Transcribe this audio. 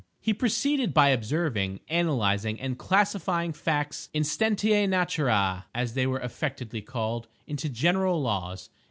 He proceeded by observing, analyzing, and classifying facts instantiae naturae, as they were affectedly called—into general laws.